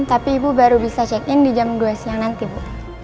tapi ibu baru bisa check in di jam dua siang nanti bu